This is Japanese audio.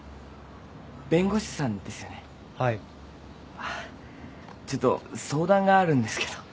あっちょっと相談があるんですけど。